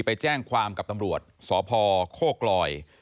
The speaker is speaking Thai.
ไปแจ้งความกับตำรวจสพโคกลอย